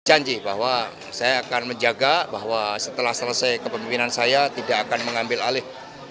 janji bahwa saya akan menjaga bahwa setelah selesai kepemimpinan saya tidak akan mengambil alih